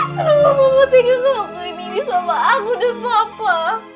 kenapa mama tinggal ngelakuin ini sama aku dan papa